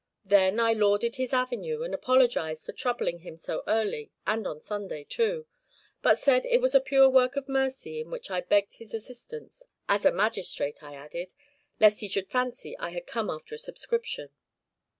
Then I lauded his avenue, and apologized for troubling him so early and on Sunday too, but said it was a pure work of mercy in which I begged his assistance as a magistrate, I added, lest he should fancy I had come after a subscription.